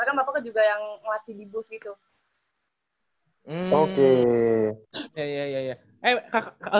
sama bapak juga karena bapaknya juga yang ngelat tv boost gitu